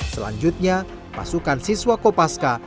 selanjutnya pasukan siswa kopaska